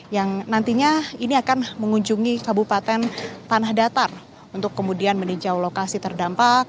yang nantinya ini akan mengunjungi kabupaten tanah datar untuk kemudian meninjau lokasi terdampak